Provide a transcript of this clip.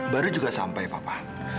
baru juga sampai papa